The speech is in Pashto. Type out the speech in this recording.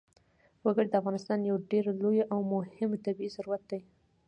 وګړي د افغانستان یو ډېر لوی او مهم طبعي ثروت دی.